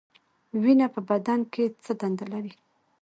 وینه په بدن کې څه دنده لري؟